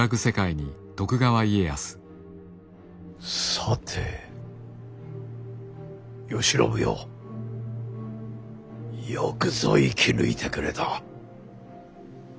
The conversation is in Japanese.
さて慶喜よよくぞ生き抜いてくれた。